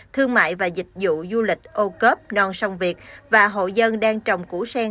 thương mại và dịch vụ du lịch âu cớp non sông việt và hộ dân đang trồng củ sen